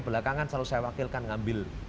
saya selalu wakilkan mengambil